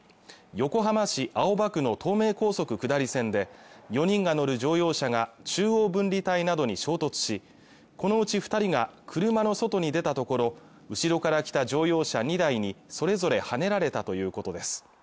横浜市青葉区の東名高速下り線で４人が乗る乗用車が中央分離帯などに衝突しこのうち二人が車の外に出たところ後ろから来た乗用車２台にそれぞれはねられたということです